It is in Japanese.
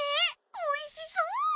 おいしそう！